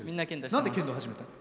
なんで剣道始めたの？